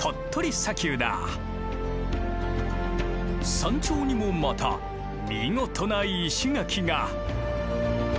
山頂にもまた見事な石垣が。